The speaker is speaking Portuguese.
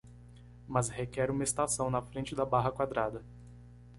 Mas requer uma estação na frente da barra quadrada.